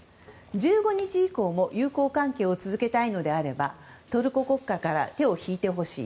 １５日以降も友好関係を続けたいのであればトルコ国家から手を引いてほしい。